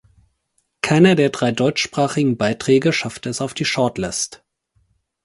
Keiner der drei deutschsprachigen Beiträge schaffte es auf die Shortlist.